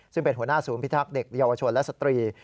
ซึ่งเป็นหัวหน้าศูนย์พิทักษ์เด็กเยาวชนและสตรี